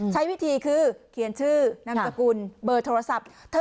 ใช้วิธีคือเขียนชื่อนามสกุลเบอร์โทรศัพท์